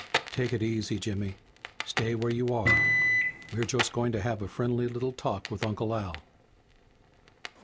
"Take it easy, Jimmy! Stay where you are. We're just going to have a friendly little talk with Uncle Al."